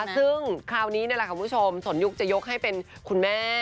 ซึ่งคราวนี้นี่แหละคุณผู้ชมสนยุคจะยกให้เป็นคุณแม่